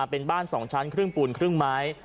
เป็นบ้าน๒ชั้นครึ่งปูนครึ่งไม้